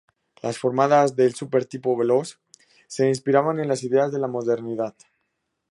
Las formas del Super Tipo Veloz se inspiraban en las ideas de la modernidad.